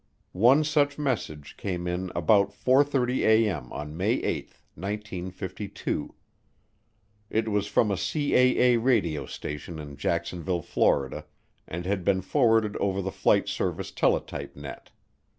One such message came in about 4:30A.M. on May 8, 1952. It was from a CAA radio station in Jacksonville, Florida, and had been forwarded over the Flight Service teletype net.